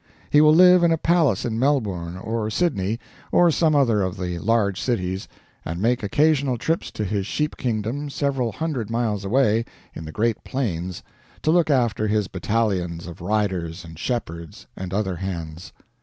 He will live in a palace in Melbourne or Sydney or some other of the large cities, and make occasional trips to his sheep kingdom several hundred miles away in the great plains to look after his battalions of riders and shepherds and other hands.